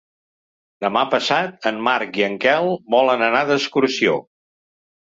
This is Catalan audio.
Demà passat en Marc i en Quel volen anar d'excursió.